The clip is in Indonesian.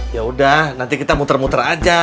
yaudah nanti kita muter muter aja